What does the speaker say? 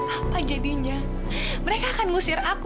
apa jadinya mereka akan ngusir aku